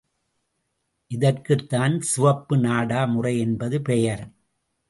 இதற்குத் தான் சிவப்பு நாடா முறை என்பது பெயர்.